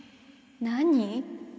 何？